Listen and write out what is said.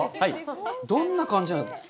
どんな感じなんだろう。